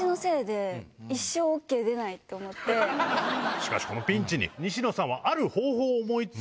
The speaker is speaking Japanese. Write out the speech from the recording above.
しかしこのピンチに。